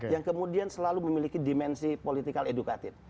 yang kemudian selalu memiliki dimensi politikal edukatif